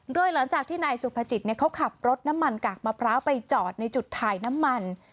โดยหลังจากที่นายสุภจิตเขาขับรถน้ำมันกากมะพร้าวไปจอดในจุดถ่ายน้ำมัน